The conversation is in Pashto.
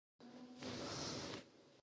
کورتیسول هورمون د غوړو ټولېدو سبب کیږي.